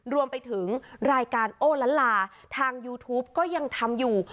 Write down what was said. รวมไปถึงรายการโอละลาทางยูทูปก็ยังทำอยู่